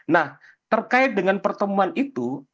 nah terkait dengan pertemuan itu